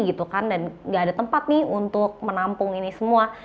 dan tidak ada tempat untuk menampung ini semua